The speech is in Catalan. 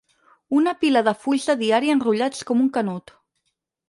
Una pila de fulls de diari enrotllats com un canut.